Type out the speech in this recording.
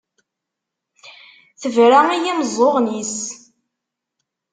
Tebra i yimeẓẓuɣen-is.